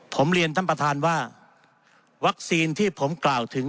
ผมเรียนท่านประธานว่าวัคซีนที่ผมกล่าวถึง